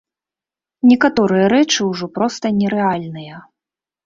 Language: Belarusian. Некаторыя рэчы ўжо проста нерэальныя.